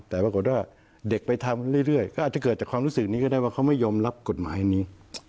แต่ปรากฏว่าเด็กไปทำเรื่อยก็อาจจะเกิดจากความรู้สึกนี้ก็ได้ว่าเขาไม่ยอมรับกฎหมายนี้